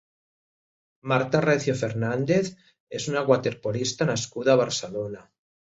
Marta Recio Fernández és una waterpolista nascuda a Barcelona.